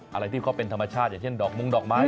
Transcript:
อะไรที่เขาเป็นธรรมชาติอย่างเช่นดอกมงดอกไม้